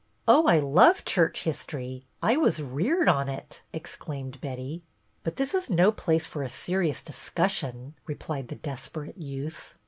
" Oh, I love church history ; I was reared on it," exclaimed Betty. " But this is no place for a serious discus sion," replied the desperate youth.